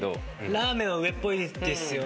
ラーメンは上っぽいですよね。